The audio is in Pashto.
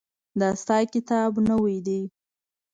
د تا کتاب نوی ده